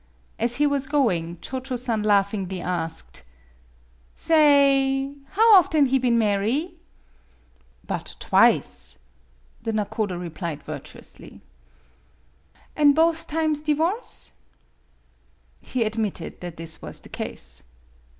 As he was going, Cho Cho San laughingly asked :" Sa oy/ How often he been marry ?"" But twice, " the nakodo replied virtuously. " An" both times divorce ?" He admitted that this was the case.